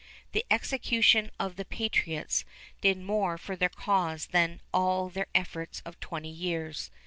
The execution of the patriots did more for their cause than all their efforts of twenty years.